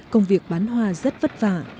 công việc bán hoa rất vất vả